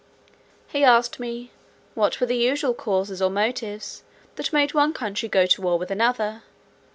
He asked me, "what were the usual causes or motives that made one country go to war with another?"